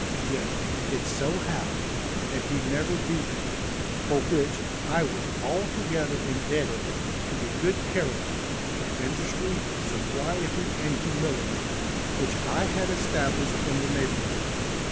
Yet, it so happened, that he never beat me, for which, I was altogether indebted to the good character, for industry, sobriety and humility, which I had established in the neighborhood.